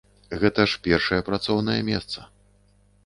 Гэта ж першае працоўнае месца.